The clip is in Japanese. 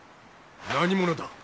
何者だ？